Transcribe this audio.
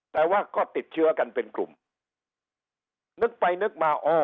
แต่ว่าก็ติดเชื้อกันเป็นกลุ่มนึกไปนึกมาอ๋อ